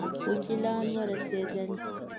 وکیلان ورسېدل.